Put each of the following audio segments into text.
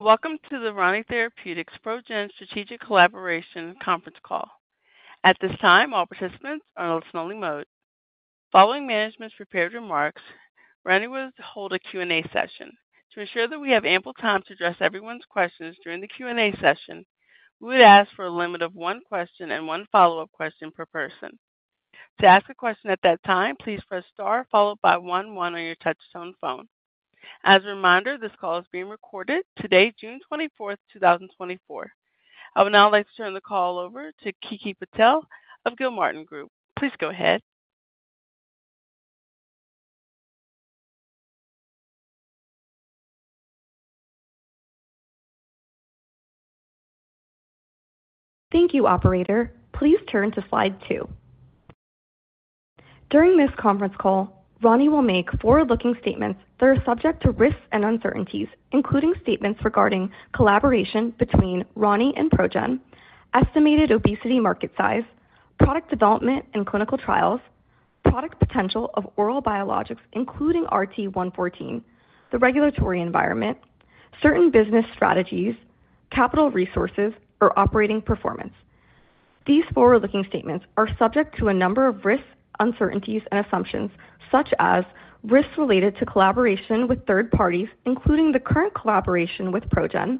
Welcome to the Rani Therapeutics ProGen Strategic Collaboration Conference Call. At this time, all participants are in listen-only mode. Following management's prepared remarks, Rani Therapeutics will hold a Q&A session. To ensure that we have ample time to address everyone's questions during the Q&A session, we would ask for a limit of one question and one follow-up question per person. To ask a question at that time, please press star followed by one one on your touchtone phone. As a reminder, this call is being recorded today, June 24, 2024. I would now like to turn the call over to Kiki Patel of The Gilmartin Group. Please go ahead. Thank you, operator. Please turn to Slide two. During this conference call, Rani will make forward-looking statements that are subject to risks and uncertainties, including statements regarding collaboration between Rani and ProGen, estimated obesity market size, product development and clinical trials, product potential of oral biologics, including RT-114, the regulatory environment, certain business strategies, capital resources, or operating performance. These forward-looking statements are subject to a number of risks, uncertainties and assumptions, such as risks related to collaboration with third parties, including the current collaboration with ProGen,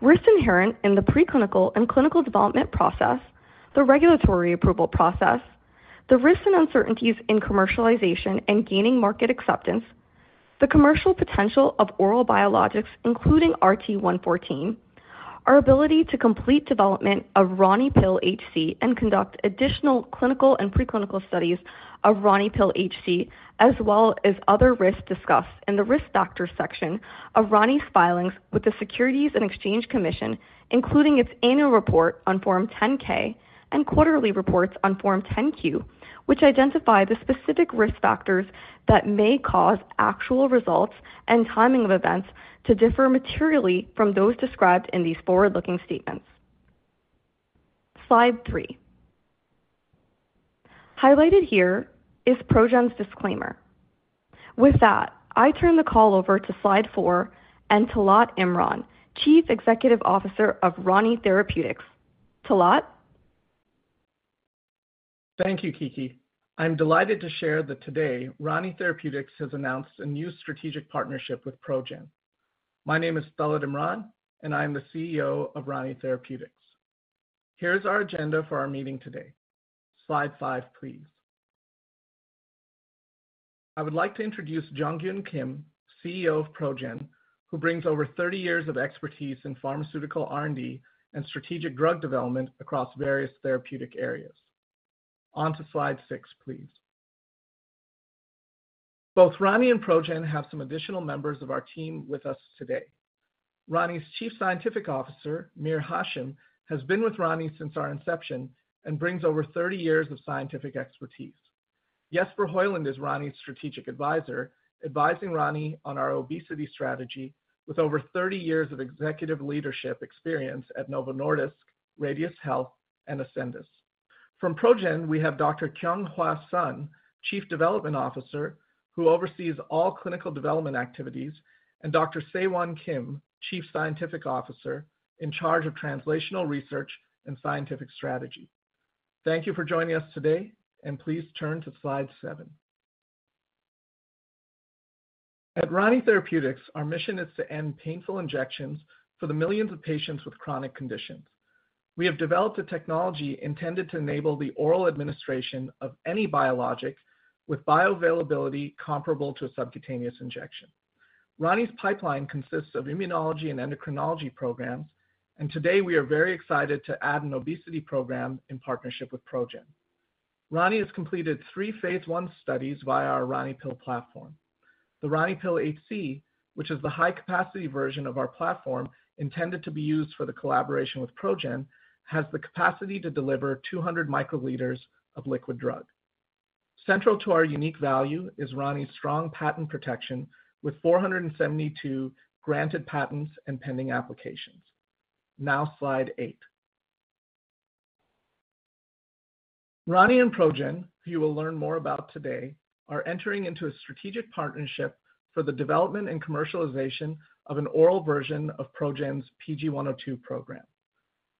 risks inherent in the preclinical and clinical development process, the regulatory approval process, the risks and uncertainties in commercialization and gaining market acceptance, the commercial potential of oral biologics, including RT-114, our ability to complete development of RaniPill HC and conduct additional clinical and preclinical studies of RaniPill HC, as well as other risks discussed in the Risk Factors section of Rani's filings with the Securities and Exchange Commission, including its annual report on Form 10-K and quarterly reports on Form 10-Q, which identify the specific risk factors that may cause actual results and timing of events to differ materially from those described in these forward-looking statements. Slide three. Highlighted here is ProGen's disclaimer. With that, I turn the call over to Slide four and Talat Imran, Chief Executive Officer of Rani Therapeutics. Talat? Thank you, Kiki. I'm delighted to share that today, Rani Therapeutics has announced a new strategic partnership with ProGen. My name is Talat Imran, and I am the CEO of Rani Therapeutics. Here is our agenda for our meeting today. Slide five, please. I would like to introduce Jong-Gyun Kim, CEO of ProGen, who brings over 30 years of expertise in pharmaceutical R&D and strategic drug development across various therapeutic areas. On to Slide six, please. Both Rani and ProGen have some additional members of our team with us today. Rani's Chief Scientific Officer, Mir Hashim, has been with Rani since our inception and brings over 30 years of scientific expertise. Jesper Høiland is Rani's strategic advisor, advising Rani on our obesity strategy with over 30 years of executive leadership experience at Novo Nordisk, Radius Health, and Ascendis. From ProGen, we have Dr. Kyung-Hwa Son, Chief Development Officer, who oversees all clinical development activities, and Dr. Saewon Kim, Chief Scientific Officer, in charge of translational research and scientific strategy. Thank you for joining us today, and please turn to Slide seven. At Rani Therapeutics, our mission is to end painful injections for the millions of patients with chronic conditions. We have developed a technology intended to enable the oral administration of any biologic with bioavailability comparable to a subcutaneous injection. Rani's pipeline consists of immunology and endocrinology programs, and today we are very excited to add an obesity program in partnership with ProGen. Rani has completed three phase I studies via our RaniPill platform. The RaniPill HC, which is the high-capacity version of our platform intended to be used for the collaboration with ProGen, has the capacity to deliver 200 microliters of liquid drug. Central to our unique value is Rani's strong patent protection with 472 granted patents and pending applications. Now, Slide eight. Rani and ProGen, who you will learn more about today, are entering into a strategic partnership for the development and commercialization of an oral version of ProGen's PG102 program.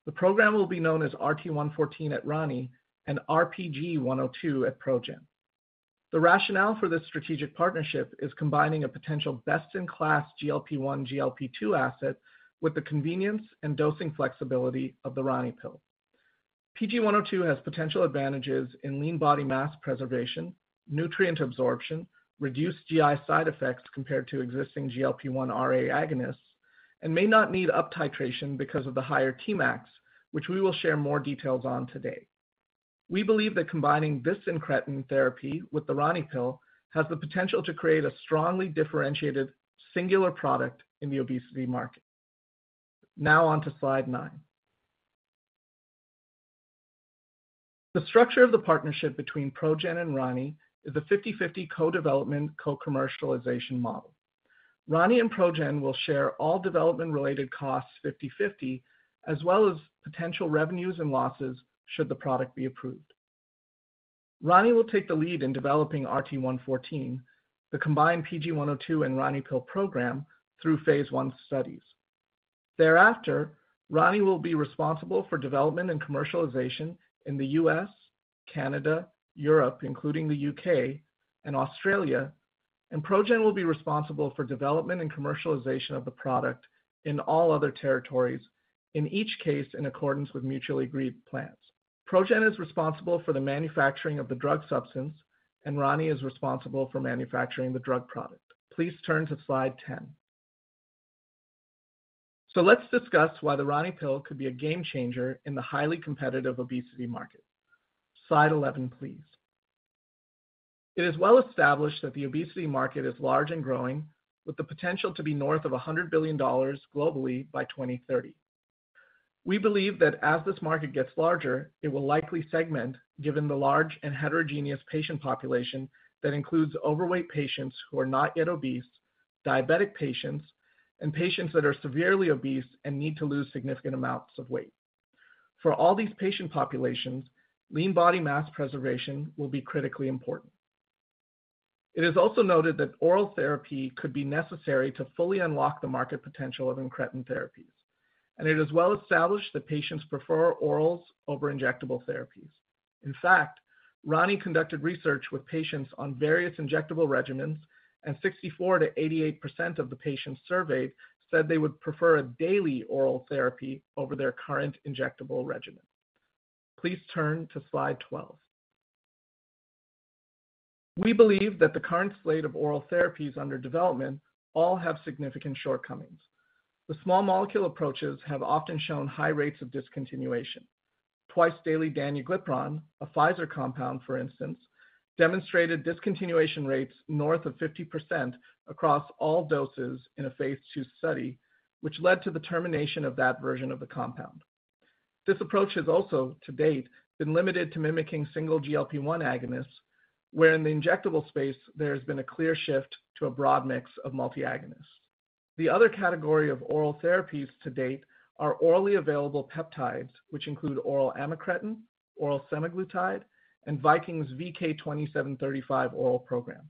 The program will be known as RT-114 at Rani and RPG-102 at ProGen. The rationale for this strategic partnership is combining a potential best-in-class GLP-1, GLP-2 asset with the convenience and dosing flexibility of the RaniPill. PG102 has potential advantages in lean body mass preservation, nutrient absorption, reduced GI side effects compared to existing GLP-1 RA agonists, and may not need up-titration because of the higher Tmax, which we will share more details on today. We believe that combining this incretin therapy with the RaniPill has the potential to create a strongly differentiated, singular product in the obesity market. Now on to Slide nine. The structure of the partnership between ProGen and Rani is a 50/50 co-development, co-commercialization model. Rani and ProGen will share all development-related costs 50/50, as well as potential revenues and losses should the product be approved. Rani will take the lead in developing RT-114, the combined PG102 and RaniPill program, through phase I studies. Thereafter, Rani will be responsible for development and commercialization in the U.S., Canada, Europe, including the U.K., and Australia, and ProGen will be responsible for development and commercialization of the product in all other territories, in each case, in accordance with mutually agreed plans. ProGen is responsible for the manufacturing of the drug substance, and Rani is responsible for manufacturing the drug product. Please turn to Slide 10. So let's discuss why the RaniPill could be a game changer in the highly competitive obesity market. Slide 11, please. It is well established that the obesity market is large and growing, with the potential to be north of $100 billion globally by 2030. We believe that as this market gets larger, it will likely segment, given the large and heterogeneous patient population that includes overweight patients who are not yet obese, diabetic patients, and patients that are severely obese and need to lose significant amounts of weight. For all these patient populations, lean body mass preservation will be critically important. It is also noted that oral therapy could be necessary to fully unlock the market potential of incretin therapies, and it is well established that patients prefer orals over injectable therapies. In fact, Rani conducted research with patients on various injectable regimens, and 64%-88% of the patients surveyed said they would prefer a daily oral therapy over their current injectable regimen. Please turn to Slide 12. We believe that the current slate of oral therapies under development all have significant shortcomings. The small molecule approaches have often shown high rates of discontinuation. Twice-daily danuglipron, a Pfizer compound, for instance, demonstrated discontinuation rates north of 50% across all doses in a phase II study, which led to the termination of that version of the compound. This approach has also, to date, been limited to mimicking single GLP-1 agonists, where in the injectable space, there's been a clear shift to a broad mix of multi-agonists. The other category of oral therapies to date are orally available peptides, which include oral amycretin, oral semaglutide, and Viking's VK2735 oral program.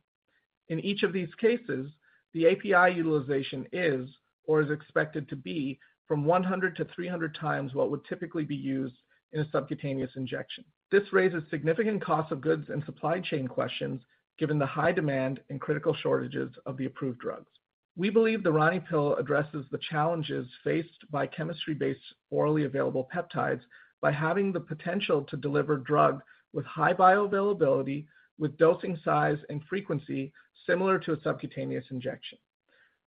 In each of these cases, the API utilization is or is expected to be from 100 to 300 times what would typically be used in a subcutaneous injection. This raises significant costs of goods and supply chain questions, given the high demand and critical shortages of the approved drugs. We believe the RaniPill addresses the challenges faced by chemistry-based orally available peptides by having the potential to deliver drug with high bioavailability, with dosing size and frequency similar to a subcutaneous injection.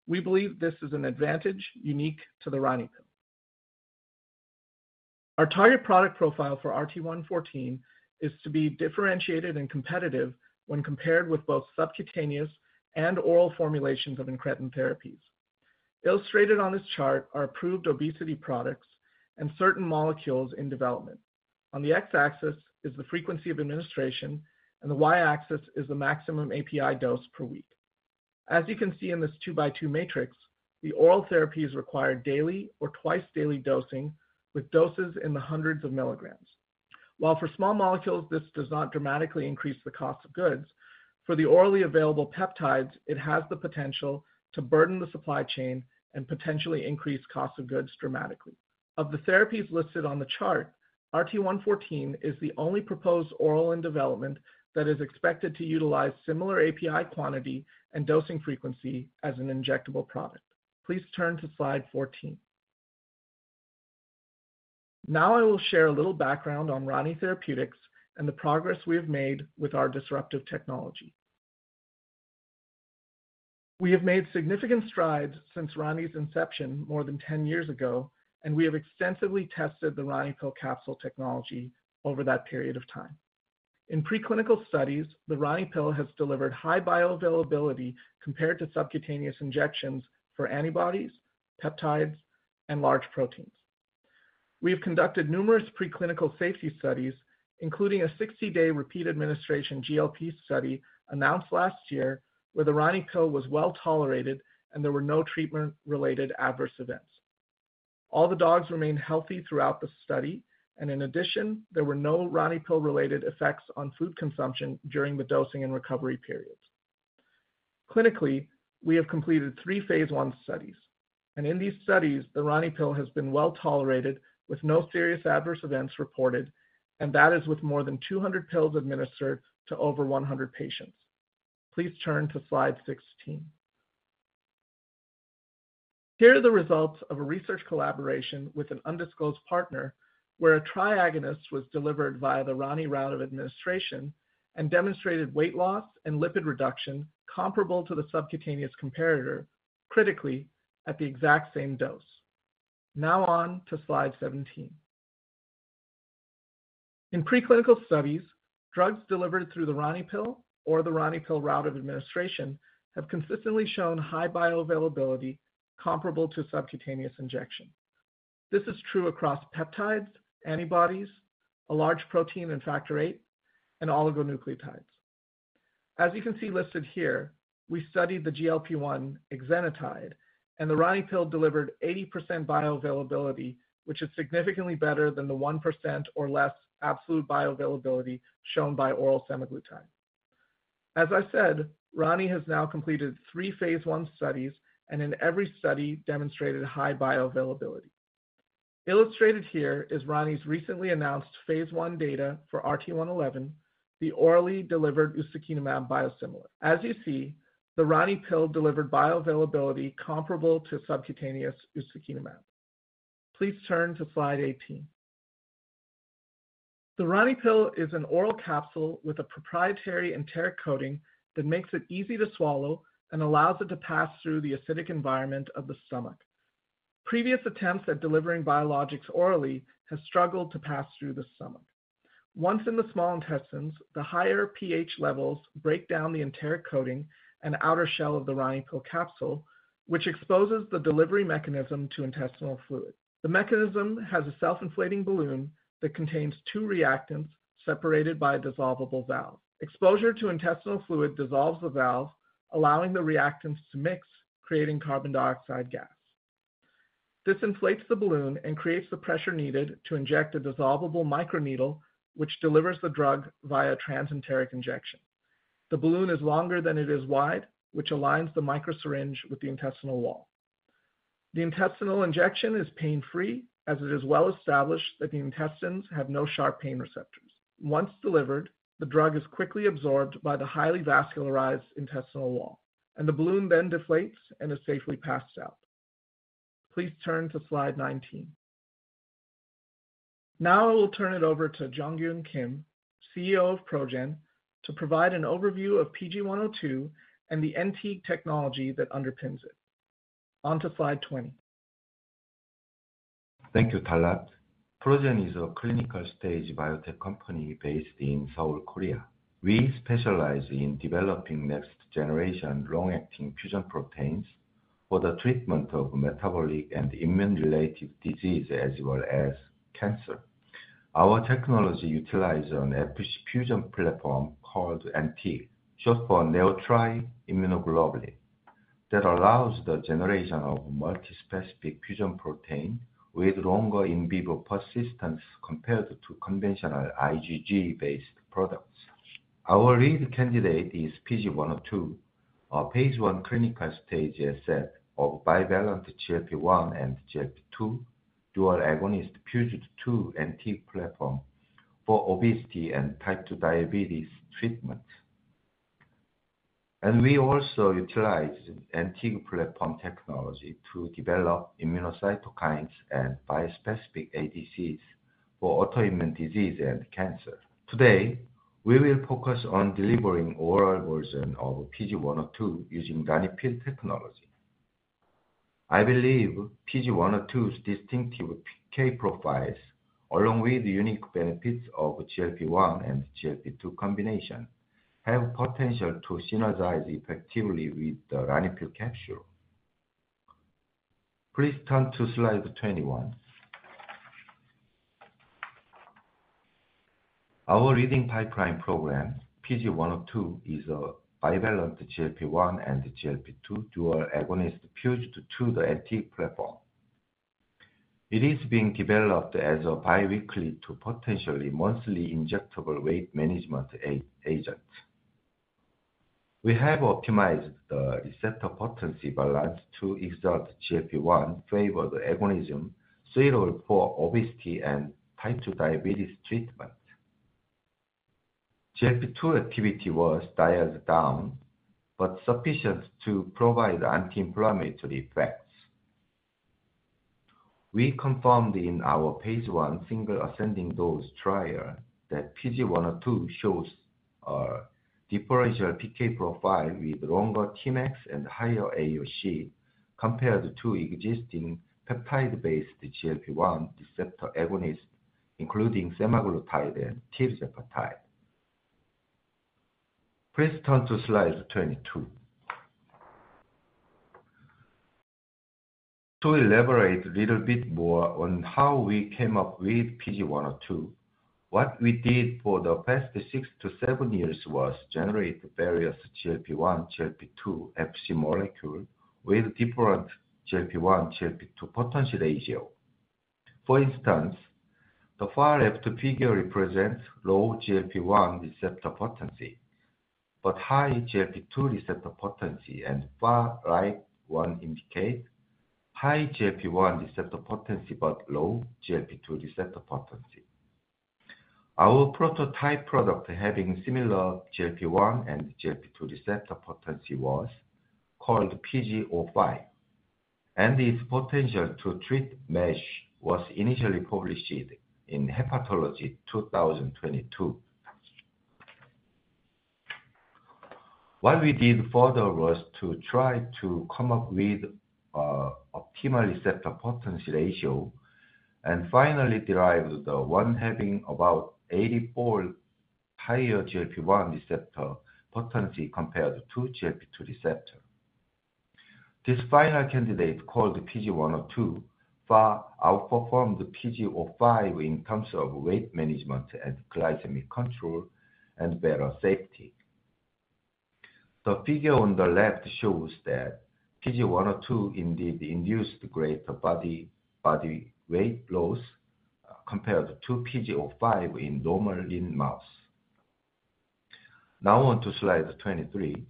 We believe this is an advantage unique to the RaniPill. Our target product profile for RT-114 is to be differentiated and competitive when compared with both subcutaneous and oral formulations of incretin therapies. Illustrated on this chart are approved obesity products and certain molecules in development. On the X-axis is the frequency of administration, and the Y-axis is the maximum API dose per week. As you can see in this two-by-two matrix, the oral therapies require daily or twice-daily dosing with doses in the hundreds of milligrams. While for small molecules, this does not dramatically increase the cost of goods, for the orally available peptides, it has the potential to burden the supply chain and potentially increase cost of goods dramatically. Of the therapies listed on the chart, RT-114 is the only proposed oral in development that is expected to utilize similar API quantity and dosing frequency as an injectable product. Please turn to Slide 14. Now I will share a little background on Rani Therapeutics and the progress we have made with our disruptive technology. We have made significant strides since Rani's inception more than 10 years ago, and we have extensively tested the RaniPill capsule technology over that period of time. In preclinical studies, the RaniPill has delivered high bioavailability compared to subcutaneous injections for antibodies, peptides, and large proteins. We have conducted numerous preclinical safety studies, including a 60-day repeat administration GLP study announced last year, where the RaniPill was well tolerated and there were no treatment-related adverse events. All the dogs remained healthy throughout the study, and in addition, there were no RaniPill-related effects on food consumption during the dosing and recovery periods. Clinically, we have completed three phase I studies, and in these studies, the RaniPill has been well tolerated, with no serious adverse events reported, and that is with more than 200 pills administered to over 100 patients. Please turn to Slide 16. Here are the results of a research collaboration with an undisclosed partner, where a triagonist was delivered via the RaniPill route of administration and demonstrated weight loss and lipid reduction comparable to the subcutaneous comparator, critically, at the exact same dose. Now on to Slide 17. In preclinical studies, drugs delivered through the RaniPill or the RaniPill route of administration have consistently shown high bioavailability comparable to subcutaneous injection. This is true across peptides, antibodies, a large protein in Factor VIII, and oligonucleotides. As you can see listed here, we studied the GLP-1 exenatide, and the RaniPill delivered 80% bioavailability, which is significantly better than the 1% or less absolute bioavailability shown by oral semaglutide. As I said, Rani has now completed three phase I studies, and in every study, demonstrated high bioavailability. Illustrated here is Rani's recently announced phase I data for RT-111, the orally delivered ustekinumab biosimilar. As you see, the RaniPill delivered bioavailability comparable to subcutaneous ustekinumab. Please turn to Slide 18. The RaniPill is an oral capsule with a proprietary enteric coating that makes it easy to swallow and allows it to pass through the acidic environment of the stomach. Previous attempts at delivering biologics orally have struggled to pass through the stomach. Once in the small intestines, the higher pH levels break down the enteric coating and outer shell of the RaniPill capsule, which exposes the delivery mechanism to intestinal fluid. The mechanism has a self-inflating balloon that contains two reactants separated by a dissolvable valve. Exposure to intestinal fluid dissolves the valve, allowing the reactants to mix, creating carbon dioxide gas. This inflates the balloon and creates the pressure needed to inject a dissolvable microneedle, which delivers the drug via transenteric injection. The balloon is longer than it is wide, which aligns the microsyringe with the intestinal wall. The intestinal injection is pain-free, as it is well established that the intestines have no sharp pain receptors. Once delivered, the drug is quickly absorbed by the highly vascularized intestinal wall, and the balloon then deflates and is safely passed out. Please turn to Slide 19. Now I will turn it over to Jong-Gyun Kim, CEO of ProGen, to provide an overview of PG102, and the NTIG technology that underpins it. On to slide 20. Thank you, Talat. ProGen is a clinical stage biotech company based in Seoul, South Korea. We specialize in developing next generation long-acting fusion proteins for the treatment of metabolic and immune-related disease, as well as cancer. Our technology utilize an Fc fusion platform called NTIG, short for NeoTri-Immunoglobulin, that allows the generation of multispecific fusion protein with longer in vivo persistence compared to conventional IgG-based products. Our lead candidate is PG102, a phase I clinical stage asset of bivalent GLP-1 and GLP-2, dual agonist fused to NTIG platform for obesity and Type 2 diabetes treatment. And we also utilize NTIG platform technology to develop immunocytokines and bispecific ADCs for autoimmune disease and cancer. Today, we will focus on delivering oral version of PG102 using RaniPill technology. I believe PG102's distinctive PK profiles, along with the unique benefits of GLP-1 and GLP-2 combination, have potential to synergize effectively with the RaniPill capsule. Please turn to Slide 21. Our leading pipeline program, PG102, is a bivalent GLP-1 and GLP-2 dual agonist fused to the NTIG platform. It is being developed as a bi-weekly to potentially monthly injectable weight management agent. We have optimized the receptor potency balance to exert GLP-1 favored agonism, suitable for obesity and Type 2 diabetes treatment. GLP-2 activity was dialed down, but sufficient to provide anti-inflammatory effects. We confirmed in our phase I single ascending dose trial, that PG102 shows a differential PK profile with longer Tmax and higher AUC, compared to existing peptide-based GLP-1 receptor agonist, including semaglutide and tirzepatide. Please turn to Slide 22. To elaborate a little bit more on how we came up with PG102, what we did for the past six to seven years was generate various GLP-1, GLP-2 Fc molecules, with different GLP-1, GLP-2 potency ratios. For instance, the far left figure represents low GLP-1 receptor potency, but high GLP-2 receptor potency, and far right one indicate high GLP-1 receptor potency, but low GLP-2 receptor potency. Our prototype product, having similar GLP-1 and GLP-2 receptor potency, was called PG05, and its potential to treat MASH was initially published in Hepatology 2022. What we did further was to try to come up with optimal receptor potency ratio, and finally derived the one having about 84 higher GLP-1 receptor potency compared to GLP-2 receptor. This final candidate, called PG102, far outperformed PG05 in terms of weight management and glycemic control and better safety. The figure on the left shows that PG102 indeed induced greater body weight loss compared to PG05 in normal lean mouse. Now on to Slide 23.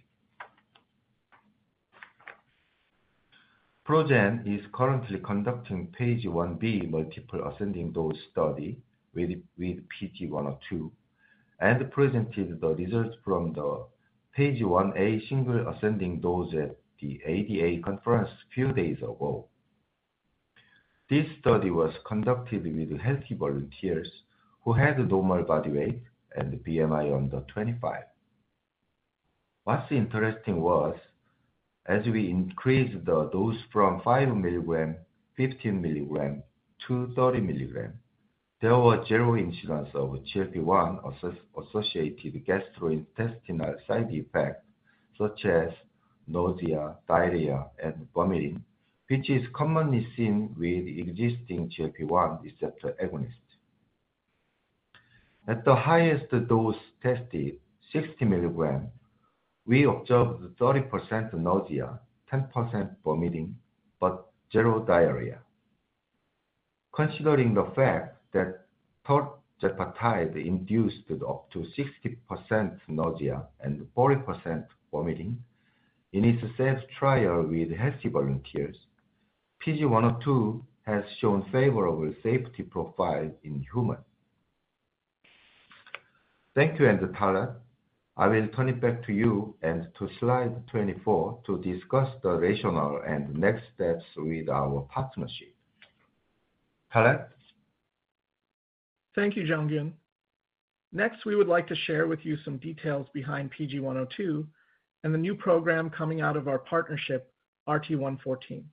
ProGen is currently conducting phase Ib multiple ascending dose study with PG102, and presented the results from the phase Ia single ascending dose at the ADA conference a few days ago. This study was conducted with healthy volunteers who had normal body weight and BMI under 25. What's interesting was, as we increased the dose from 5 mg, 15 mg to 30 mg, there was zero incidence of GLP-1 associated gastrointestinal side effects such as nausea, diarrhea, and vomiting, which is commonly seen with existing GLP-1 receptor agonist. At the highest dose tested, 60 mg, we observed 30% nausea, 10% vomiting, but zero diarrhea. Considering the fact that Tirzepatide induced up to 60% nausea and 40% vomiting in its safety trial with healthy volunteers, PG102 has shown favorable safety profile in humans. Thank you, and Talat, I will turn it back to you and to Slide 24 to discuss the rationale and next steps with our partnership. Talat? Thank you, Jong-Gyun. Next, we would like to share with you some details behind PG102 and the new program coming out of our partnership, RT-114.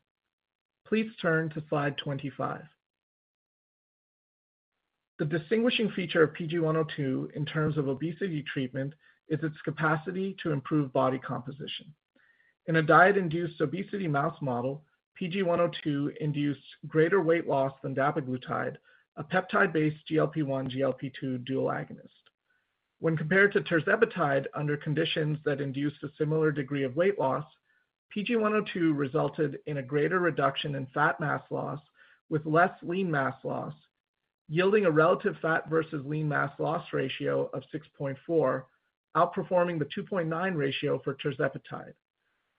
Please turn to Slide 25. The distinguishing feature of PG102 in terms of obesity treatment is its capacity to improve body composition. In a diet-induced obesity mouse model, PG102 induced greater weight loss than dapiglutide, a peptide-based GLP-1/GLP-2 dual agonist. When compared to tirzepatide under conditions that induced a similar degree of weight loss, PG102 resulted in a greater reduction in fat mass loss with less lean mass loss, yielding a relative fat versus lean mass loss ratio of 6.4, outperforming the 2.9 ratio for tirzepatide.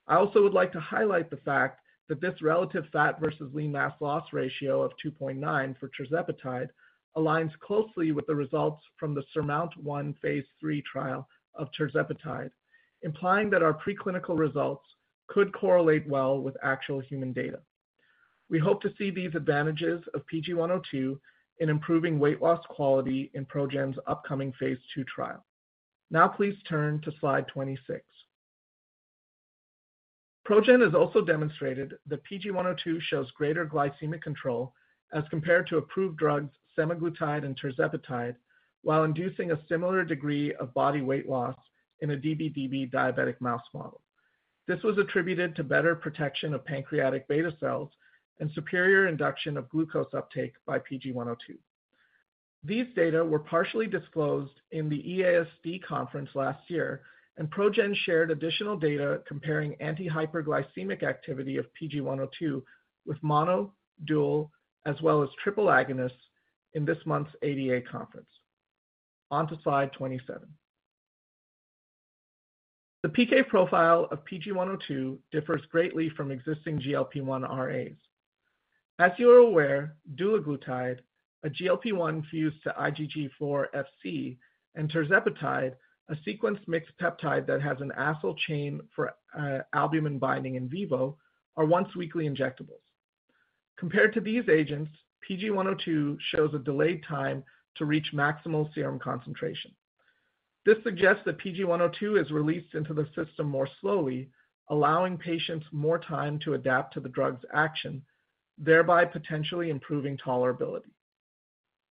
I also would like to highlight the fact that this relative fat versus lean mass loss ratio of 2.9 for tirzepatide aligns closely with the results from the SURMOUNT-1 phase III trial of tirzepatide, implying that our preclinical results could correlate well with actual human data. We hope to see these advantages of PG102 in improving weight loss quality in ProGen's upcoming phase II trial. Now please turn to Slide 26. ProGen has also demonstrated that PG102 shows greater glycemic control as compared to approved drugs, semaglutide and tirzepatide, while inducing a similar degree of body weight loss in a db/db diabetic mouse model. This was attributed to better protection of pancreatic beta cells and superior induction of glucose uptake by PG102. These data were partially disclosed in the EASD conference last year, and ProGen shared additional data comparing anti-hyperglycemic activity of PG102 with mono, dual, as well as triple agonists in this month's ADA conference. On to Slide 27. The PK profile of PG102 differs greatly from existing GLP-1 RAs. As you are aware, dulaglutide, a GLP-1 fused to IgG4-Fc, and tirzepatide, a sequenced mixed peptide that has an acyl chain for albumin binding in vivo, are once-weekly injectables. Compared to these agents, PG102 shows a delayed time to reach maximal serum concentration. This suggests that PG102 is released into the system more slowly, allowing patients more time to adapt to the drug's action, thereby potentially improving tolerability.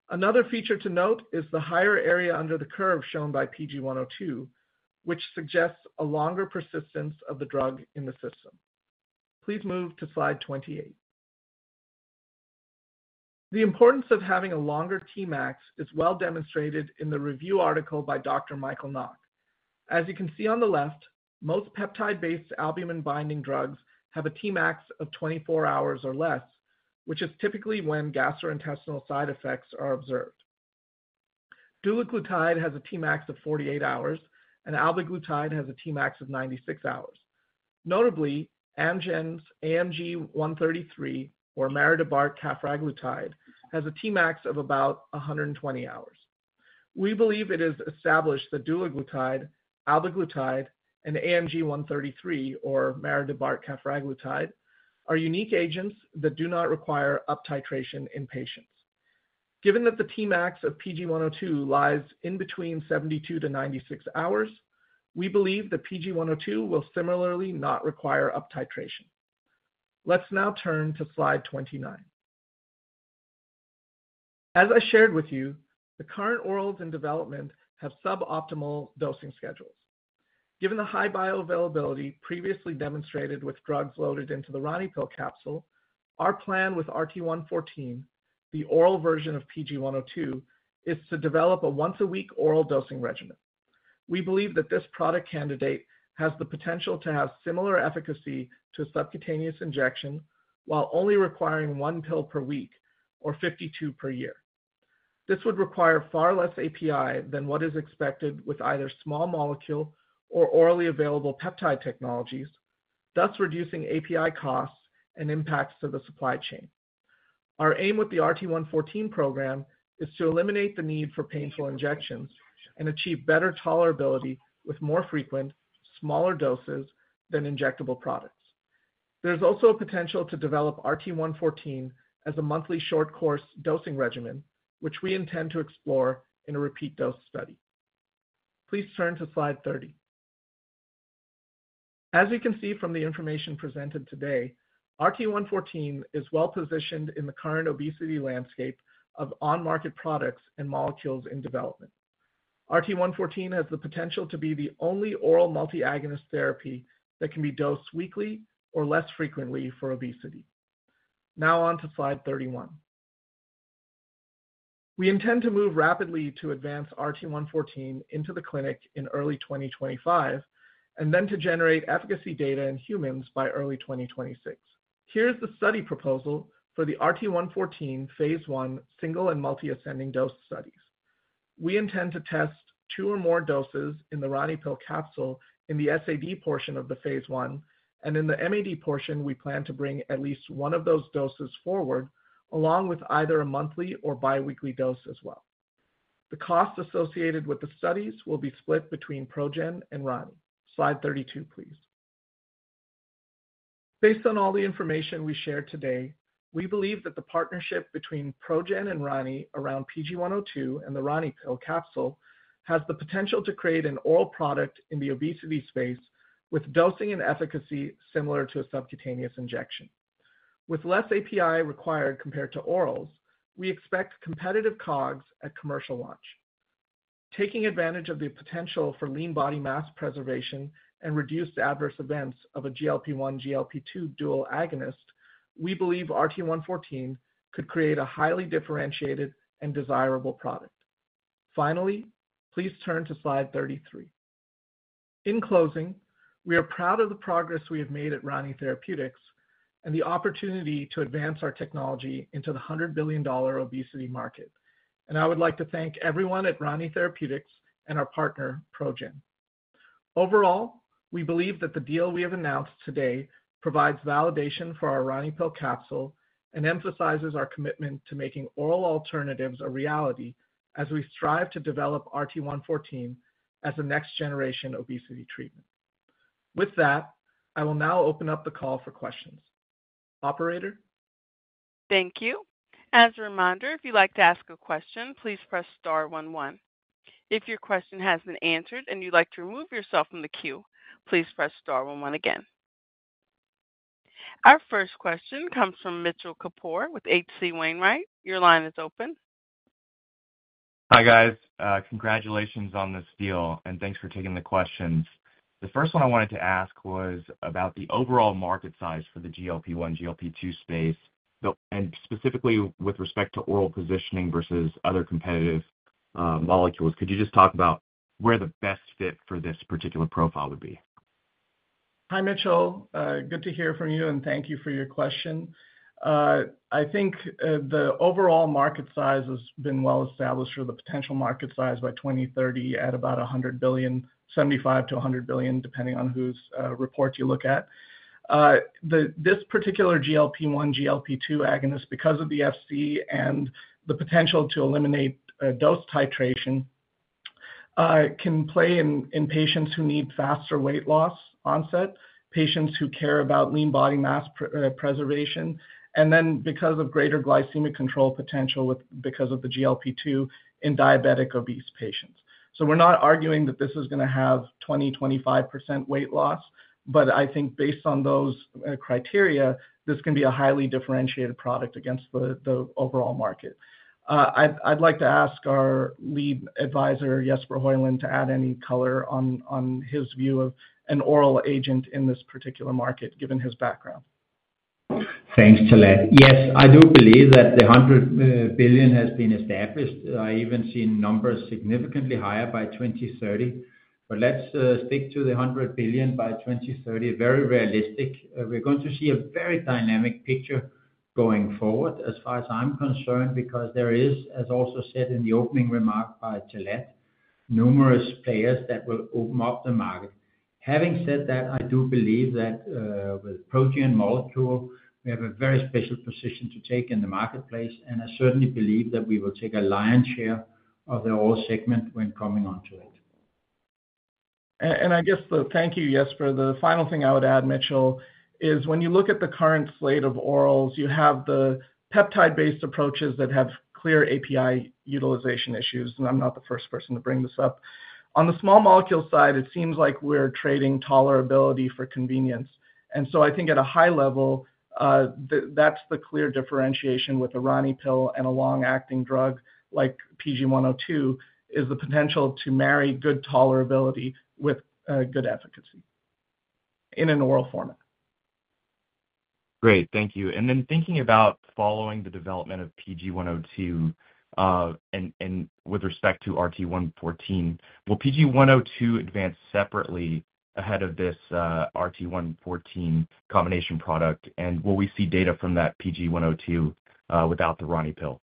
Another feature to note is the higher area under the curve shown by PG102, which suggests a longer persistence of the drug in the system. Please move to Slide 28. The importance of having a longer Tmax is well demonstrated in the review article by Dr. Michael Nauck. As you can see on the left, most peptide-based albumin binding drugs have a Tmax of 24 hours or less, which is typically when gastrointestinal side effects are observed. Dulaglutide has a Tmax of 48 hours, and albiglutide has a Tmax of 96 hours. Notably, Amgen's AMG 133, or maridebart cafraglutide, has a Tmax of about 120 hours. We believe it is established that dulaglutide, albiglutide, and AMG 133, or maridebart cafraglutide, are unique agents that do not require up titration in patients. Given that the Tmax of PG102 lies in between 72-96 hours, we believe that PG102 will similarly not require up titration. Let's now turn to Slide 29. As I shared with you, the current orals in development have suboptimal dosing schedules. Given the high bioavailability previously demonstrated with drugs loaded into the RaniPill capsule, our plan with RT-114, the oral version of PG102, is to develop a once-a-week oral dosing regimen. We believe that this product candidate has the potential to have similar efficacy to subcutaneous injection, while only requiring one pill per week or 52 per year. This would require far less API than what is expected with either small molecule or orally available peptide technologies, thus reducing API costs and impacts to the supply chain. Our aim with the RT-114 program is to eliminate the need for painful injections and achieve better tolerability with more frequent, smaller doses than injectable products. There's also a potential to develop RT-114 as a monthly short course dosing regimen, which we intend to explore in a repeat dose study. Please turn to Slide 30. As you can see from the information presented today, RT-114 is well positioned in the current obesity landscape of on-market products and molecules in development. RT-114 has the potential to be the only oral multi-agonist therapy that can be dosed weekly or less frequently for obesity. Now on to Slide 31. We intend to move rapidly to advance RT-114 into the clinic in early 2025, and then to generate efficacy data in humans by early 2026. Here's the study proposal for the RT-114 phase I, single- and multiple-ascending dose studies. We intend to test two or more doses in the RaniPill capsule in the SAD portion of the phase I, and in the MAD portion, we plan to bring at least one of those doses forward, along with either a monthly or biweekly dose as well. The cost associated with the studies will be split between ProGen and Rani. Slide 32, please. Based on all the information we shared today, we believe that the partnership between ProGen and Rani around PG102 and the RaniPill capsule has the potential to create an oral product in the obesity space with dosing and efficacy similar to a subcutaneous injection. With less API required compared to orals, we expect competitive COGS at commercial launch. Taking advantage of the potential for lean body mass preservation and reduced adverse events of a GLP-1/GLP-2 dual agonist, we believe RT-114 could create a highly differentiated and desirable product. Finally, please turn to Slide 33. In closing, we are proud of the progress we have made at Rani Therapeutics and the opportunity to advance our technology into the $100 billion obesity market. I would like to thank everyone at Rani Therapeutics and our partner, ProGen. Overall, we believe that the deal we have announced today provides validation for our RaniPill capsule and emphasizes our commitment to making oral alternatives a reality as we strive to develop RT-114 as a next-generation obesity treatment. With that, I will now open up the call for questions. Operator? Thank you. As a reminder, if you'd like to ask a question, please press star one one. If your question has been answered and you'd like to remove yourself from the queue, please press star one one again. Our first question comes from Mitchell Kapoor with H.C. Wainwright. Your line is open. Hi, guys. Congratulations on this deal, and thanks for taking the questions. The first one I wanted to ask was about the overall market size for the GLP-1, GLP-2 space. Specifically with respect to oral positioning versus other competitive molecules. Could you just talk about where the best fit for this particular profile would be? Hi, Mitchell. Good to hear from you, and thank you for your question. I think, the overall market size has been well established or the potential market size by 2030 at about $100 billion, $75 billion-$100 billion, depending on whose report you look at. This particular GLP-1/GLP-2 agonist, because of the Fc and the potential to eliminate dose titration, can play in patients who need faster weight loss onset, patients who care about lean body mass preservation, and then because of greater glycemic control potential with because of the GLP-2 in diabetic obese patients. So we're not arguing that this is going to have 20%-25% weight loss, but I think based on those criteria, this can be a highly differentiated product against the overall market. I'd like to ask our lead advisor, Jesper Høiland, to add any color on his view of an oral agent in this particular market, given his background. Thanks, Talat. Yes, I do believe that the $100 billion has been established. I even seen numbers significantly higher by 2030, but let's stick to the $100 billion by 2030. Very realistic. We're going to see a very dynamic picture going forward as far as I'm concerned, because there is, as also said in the opening remark by Talat, numerous players that will open up the market. Having said that, I do believe that with Progen molecule, we have a very special position to take in the marketplace, and I certainly believe that we will take a lion's share of the oral segment when coming onto it. Thank you, Jesper. The final thing I would add, Mitchell, is when you look at the current slate of orals, you have the peptide-based approaches that have clear API utilization issues, and I'm not the first person to bring this up. On the small molecule side, it seems like we're trading tolerability for convenience. And so I think at a high level, that's the clear differentiation with the RaniPill and a long-acting drug like PG102, is the potential to marry good tolerability with good efficacy in an oral format. Great, thank you. And then thinking about following the development of PG102, and with respect to RT-114, will PG102 advance separately ahead of this RT-114 combination product? And will we see data from that PG102 without the RaniPill?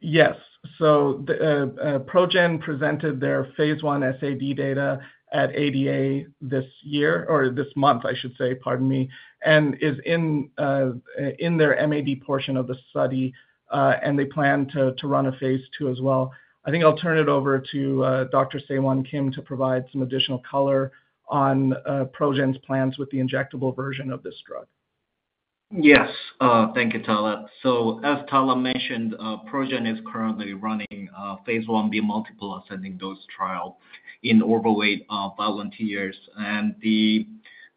Yes. So the ProGen presented their phase I SAD data at ADA this year, or this month, I should say, pardon me, and is in their MAD portion of the study, and they plan to run a phase II as well. I think I'll turn it over to Dr. Saewon Kim to provide some additional color on ProGen's plans with the injectable version of this drug. Yes, thank you, Talat. So as Talat mentioned, ProGen is currently running a phase Ib multiple ascending dose trial in overweight volunteers. And the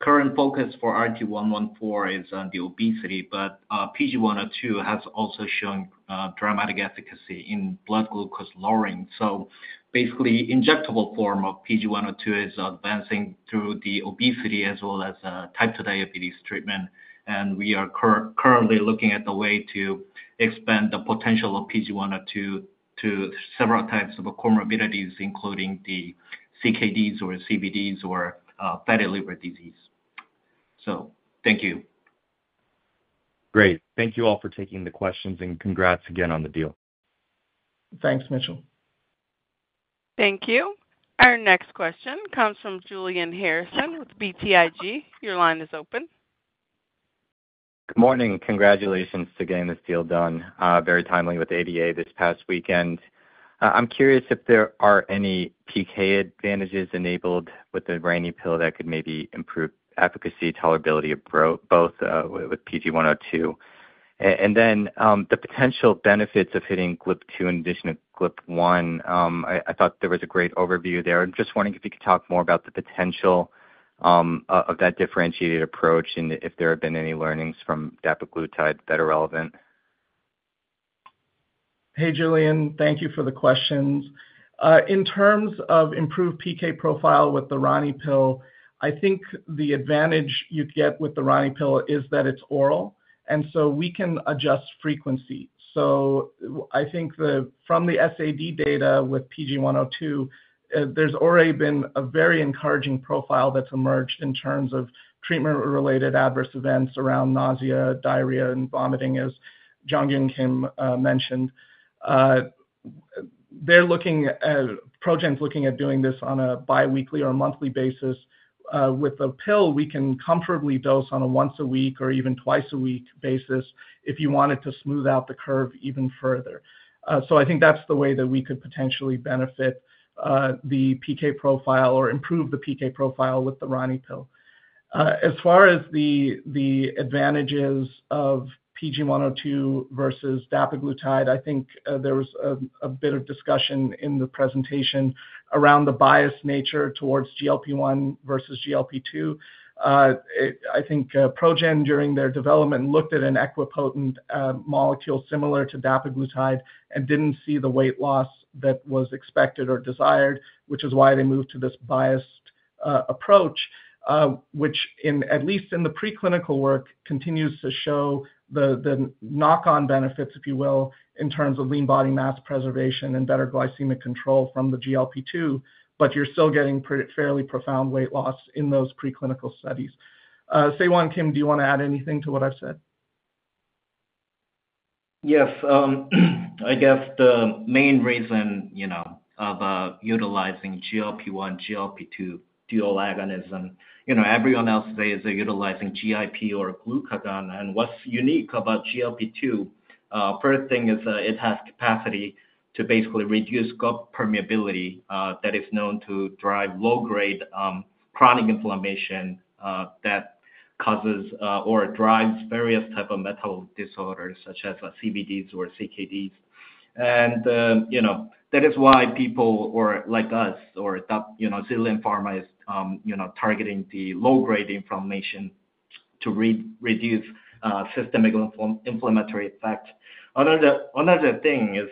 current focus for RT-114 is on the obesity, but PG102 has also shown dramatic efficacy in blood glucose lowering. So basically, injectable form of PG102 is advancing through the obesity as well as type 2 diabetes treatment, and we are currently looking at the way to expand the potential of PG102 to several types of comorbidities, including the CKDs or CVDs or fatty liver disease. So thank you. Great. Thank you all for taking the questions, and congrats again on the deal. Thanks, Mitchell. Thank you. Our next question comes from Julian Harrison with BTIG. Your line is open. Good morning. Congratulations to getting this deal done, very timely with ADA this past weekend. I'm curious if there are any PK advantages enabled with the RaniPill that could maybe improve efficacy, tolerability of both, with PG102. And then, the potential benefits of hitting GLP-2 in addition to GLP-1, I thought there was a great overview there. I'm just wondering if you could talk more about the potential, of that differentiated approach and if there have been any learnings from dapiglutide that are relevant. Hey, Julian, thank you for the questions. In terms of improved PK profile with the RaniPill, I think the advantage you get with the RaniPill is that it's oral, and so we can adjust frequency. I think the, from the SAD data with PG102, there's already been a very encouraging profile that's emerged in terms of treatment-related adverse events around nausea, diarrhea, and vomiting, as Jong-Gyun Kim mentioned. They're looking, ProGen's looking at doing this on a biweekly or monthly basis. With a pill, we can comfortably dose on a once a week or even twice a week basis if you wanted to smooth out the curve even further. So I think that's the way that we could potentially benefit the PK profile or improve the PK profile with the RaniPill. As far as the advantages of PG102 versus dapiglutide, I think there was a bit of discussion in the presentation around the biased nature towards GLP-1 versus GLP-2. I think ProGen, during their development, looked at an equipotent molecule similar to dapiglutide and didn't see the weight loss that was expected or desired, which is why they moved to this biased approach, which, at least in the preclinical work, continues to show the knock-on benefits, if you will, in terms of lean body mass preservation and better glycemic control from the GLP-2, but you're still getting fairly profound weight loss in those preclinical studies. Saewon Kim, do you want to add anything to what I've said? Yes, I guess the main reason, you know, of utilizing GLP-1, GLP-2, dual agonism, you know, everyone else today is utilizing GIP or glucagon. And what's unique about GLP-2, first thing is, it has capacity to basically reduce gut permeability, that is known to drive low-grade, chronic inflammation, that causes, or drives various type of metabolic disorders such as, CVDs or CKDs. And, you know, that is why people or like us or dapiglutide, you know, Zealand Pharma is, you know, targeting the low-grade inflammation to reduce, systemic inflammatory effect. Another thing is,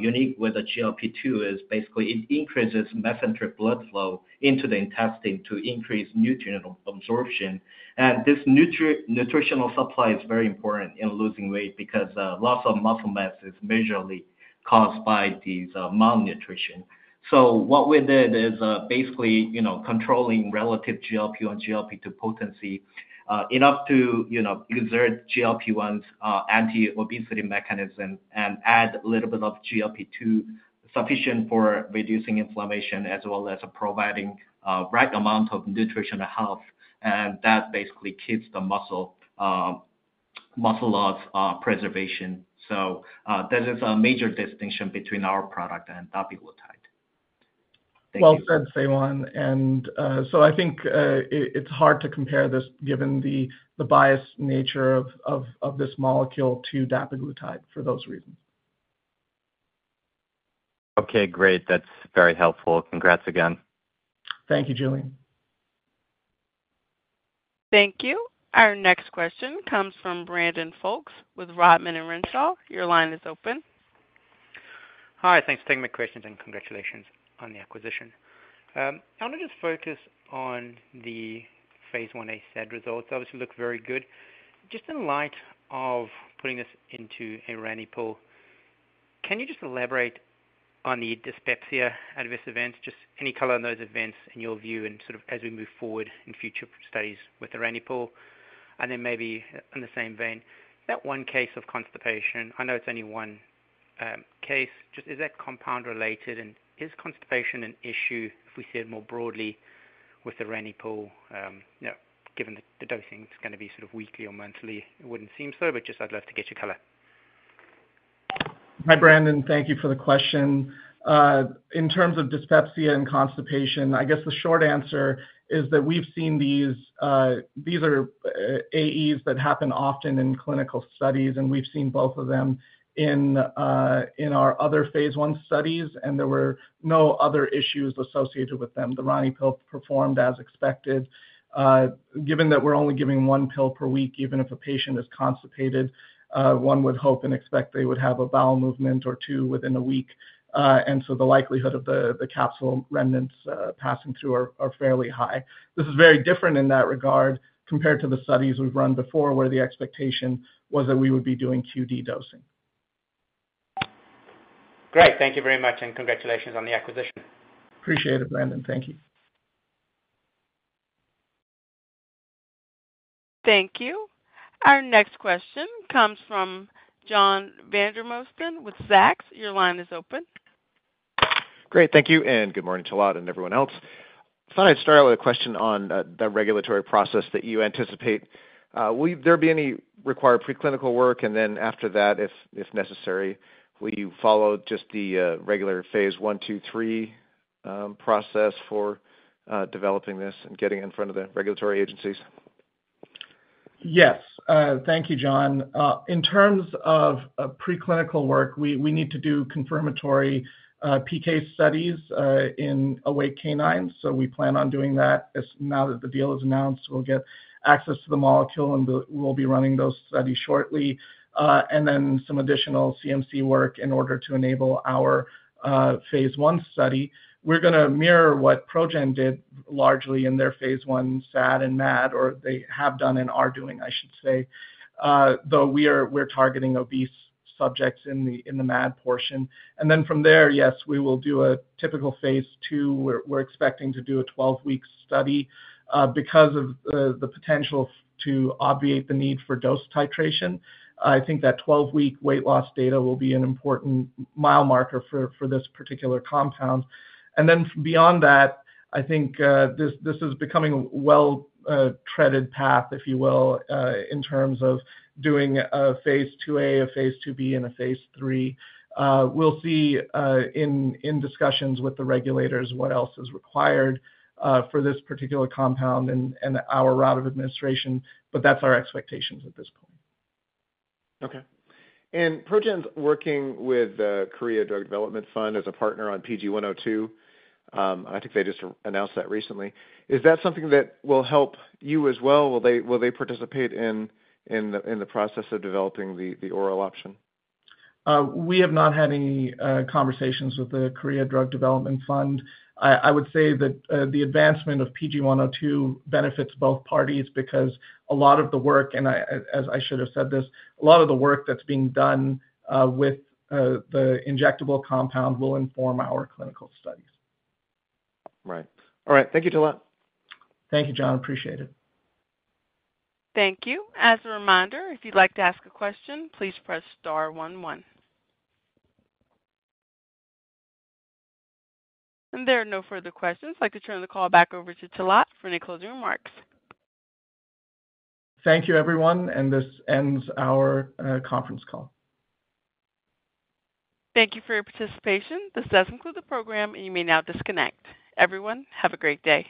unique with the GLP-2 is basically it increases mesenteric blood flow into the intestine to increase nutrient absorption. This nutritional supply is very important in losing weight because loss of muscle mass is majorly caused by this malnutrition. So what we did is basically, you know, controlling relative GLP-1, GLP-2 potency enough to, you know, preserve GLP-1's anti-obesity mechanism and add a little bit of GLP-2, sufficient for reducing inflammation as well as providing right amount of nutrition and health, and that basically keeps the muscle muscle loss preservation. So that is a major distinction between our product and dapiglutide. Thank you. Well said, Saewon. So I think it's hard to compare this, given the biased nature of this molecule to dapiglutide for those reasons.... Okay, great. That's very helpful. Congrats again. Thank you, Julian. Thank you. Our next question comes from Brandon Folkes with Roth MKM. Your line is open. Hi, thanks for taking my questions, and congratulations on the acquisition. I want to just focus on the Phase Ia results, obviously look very good. Just in light of putting this into a RaniPill, can you just elaborate on the dyspepsia adverse events, just any color on those events in your view, and sort of as we move forward in future studies with the RaniPill? And then maybe in the same vein, that one case of constipation, I know it's only one case, just is that compound related, and is constipation an issue if we see it more broadly with the RaniPill, you know, given the dosing, it's gonna be sort of weekly or monthly? It wouldn't seem so, but just I'd love to get your color. Hi, Brandon. Thank you for the question. In terms of dyspepsia and constipation, I guess the short answer is that we've seen these. These are AEs that happen often in clinical studies, and we've seen both of them in our other phase I studies, and there were no other issues associated with them. The RaniPill performed as expected. Given that we're only giving one pill per week, even if a patient is constipated, one would hope and expect they would have a bowel movement or two within a week, and so the likelihood of the capsule remnants passing through are fairly high. This is very different in that regard, compared to the studies we've run before, where the expectation was that we would be doing QD dosing. Great. Thank you very much, and congratulations on the acquisition. Appreciate it, Brandon. Thank you. Thank you. Our next question comes from John Vandermosten with Zacks. Your line is open. Great, thank you, and good morning Talat and everyone else. Thought I'd start out with a question on the regulatory process that you anticipate. Will there be any required preclinical work? And then after that, if necessary, will you follow just the regular phase I, II, III process for developing this and getting in front of the regulatory agencies? Yes. Thank you, John. In terms of preclinical work, we need to do confirmatory PK studies in awake canines, so we plan on doing that. As now that the deal is announced, we'll get access to the molecule, and we'll be running those studies shortly. And then some additional CMC work in order to enable our phase I study. We're gonna mirror what ProGen did largely in their phase I SAD and MAD, or they have done and are doing, I should say, though we're targeting obese subjects in the MAD portion. And then from there, yes, we will do a typical phase II. We're expecting to do a 12-week study because of the potential to obviate the need for dose titration. I think that 12-week weight loss data will be an important mile marker for this particular compound. And then beyond that, I think, this is becoming well-trodden path, if you will, in terms of doing a phase IIa, a phase IIb, and a phase III. We'll see, in discussions with the regulators what else is required, for this particular compound and our route of administration, but that's our expectations at this point. Okay. ProGen's working with Korea Drug Development Fund as a partner on PG102. I think they just announced that recently. Is that something that will help you as well? Will they participate in the process of developing the oral option? We have not had any conversations with the Korea Drug Development Fund. I would say that the advancement of PG102 benefits both parties because a lot of the work, and I, as I should have said this, a lot of the work that's being done with the injectable compound will inform our clinical studies. Right. All right. Thank you, Talat. Thank you, John. Appreciate it. Thank you. As a reminder, if you'd like to ask a question, please press star one one. There are no further questions. I'd like to turn the call back over to Talat for any closing remarks. Thank you, everyone, and this ends our conference call. Thank you for your participation. This does conclude the program, and you may now disconnect. Everyone, have a great day.